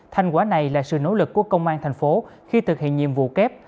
thành quả này là sự nỗ lực của công an tp hcm khi thực hiện nhiệm vụ kép